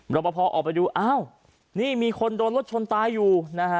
ประพอออกไปดูอ้าวนี่มีคนโดนรถชนตายอยู่นะฮะ